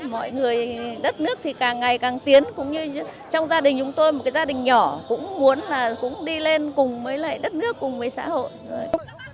mọi người đất nước thì càng ngày càng tiến cũng như trong gia đình chúng tôi một cái gia đình nhỏ cũng muốn là cũng đi lên cùng với lại đất nước cùng với xã hội